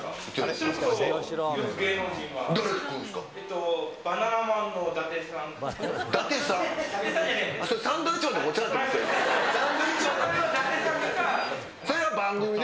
それは番組で？